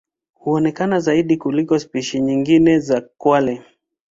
Huonekana zaidi kuliko spishi nyingine za kwale.